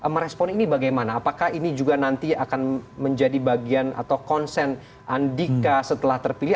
merespon ini bagaimana apakah ini juga nanti akan menjadi bagian atau konsen andika setelah terpilih